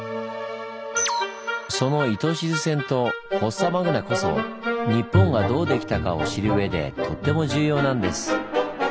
その糸静線とフォッサマグナこそ「日本」がどうできたかを知るうえでとっても重要なんです。